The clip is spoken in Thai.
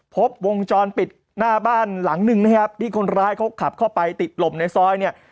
พบวงจรปิดหน้าบ้านหลังนึงนะครับที่คนร้ายเขาขับเข้าไปติดลมในซอยเนี่ย